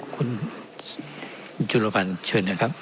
คุณจุลภัณฑ์เชิญหน่อยครับ